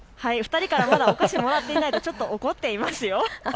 ２人からまだお菓子をもらっていないと怒っていますよ。